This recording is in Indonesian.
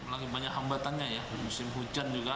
lagi banyak hambatannya ya musim hujan juga